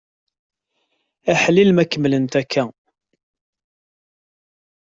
Aḥlil ma kemmlent akka!